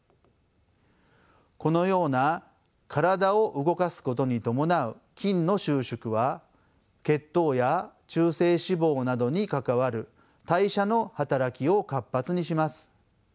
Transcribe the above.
このような体を動かすことに伴う筋の収縮は血糖や中性脂肪などに関わる代謝の働きを活発にします。